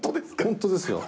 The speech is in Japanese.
本当ですよ。